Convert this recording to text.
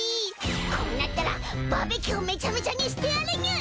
こうなったらバーベキューをめちゃめちゃにしてやるにゅい！